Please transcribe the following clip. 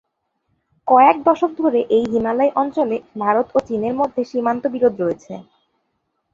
কয়েক দশক ধরে এই হিমালয় অঞ্চলে ভারত ও চীনের মধ্যে সীমান্ত বিরোধ রয়েছে।